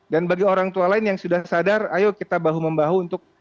dan bagi orang tua lain yang sudah sadar ayo kita bahu membahu untuk